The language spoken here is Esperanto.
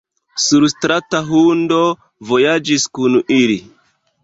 Surstrata hundo vojaĝis kun ili.